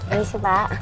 ini sih pak